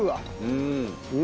うん。